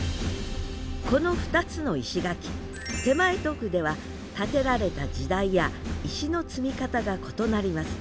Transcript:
この２つの石垣手前と奥では建てられた時代や石の積み方が異なります。